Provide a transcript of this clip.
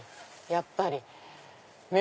やっぱり。